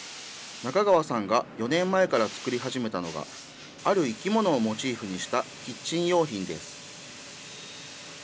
中川さんが４年前から作り始めたのが、ある生き物をモチーフにしたキッチン用品です。